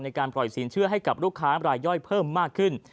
ในการปล่อยสินเชื่อให้กับลูกค้ารายย่อยเพิ่มมากขึ้น